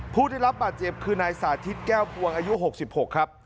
ผู้ได้รับบาดเจ็บคือนายสาธิตแก้วพวงอายุ๖๖ครับ